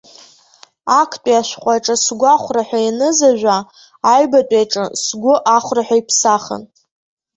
Актәи ашәҟәы аҿы сгәахәра ҳәа ианыз ажәа, аҩбатәи аҿы сгәы ахәра ҳәа иԥсахын.